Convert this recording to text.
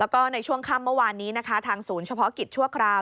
แล้วก็ในช่วงค่ำเมื่อวานนี้นะคะทางศูนย์เฉพาะกิจชั่วคราว